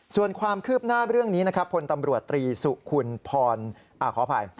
ส่วนความคืบหน้าเรื่องนี้นะครับพลตำรวจตรีสุคุณพรขออภัย